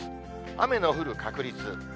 雨の降る確率。